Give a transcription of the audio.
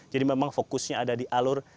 jadi memang fokusnya ada di alur distribusi